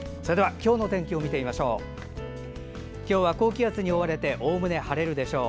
今日の天気を見てみましょう。